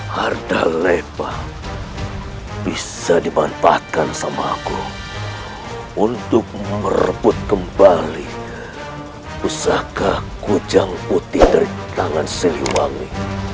harta lepa bisa dibantahkan sama aku untuk merebut kembali usahakah kujang putih dari tangan seliwangi